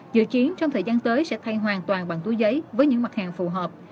dự kiến trong thời gian tới sẽ thay hoàn toàn bằng túi giấy với những mặt hàng phù hợp